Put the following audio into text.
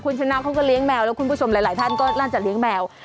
คุณชนะเขาก็เลี้ยแมวแล้วคุณผู้ชมหลายท่านก็น่าจะเลี้ยงแมว